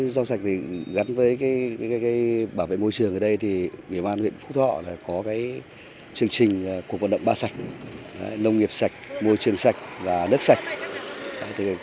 rau sạch gắn với bảo vệ môi trường ở đây huyện phúc thọ có chương trình cuộc vận động ba sạch nông nghiệp sạch môi trường sạch và nước sạch